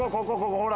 ほら！